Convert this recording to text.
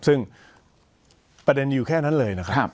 ซึ่งประเด็นอยู่แค่นั้นเลยนะครับ